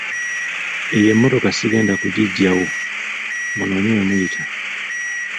Eyo emmotoka sigenda kugiggyawo munoonye we muyita.